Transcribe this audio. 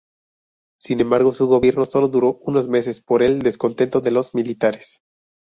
Sin embargo su gobierno sólo duró unos meses por el descontento de los militares.